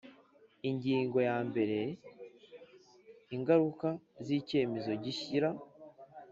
Ingingo ya mber Ingaruka z icyemezo gishyira